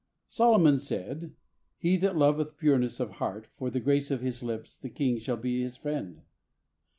Solomon said, "He that loveth pureness of heart, for the grace of his lips the king shall be his friend."